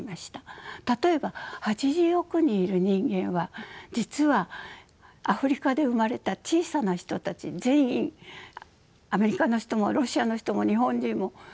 例えば８０億人いる人間は実はアフリカで生まれた小さな人たち全員アメリカの人もロシアの人も日本人もみんなおんなじなんだ。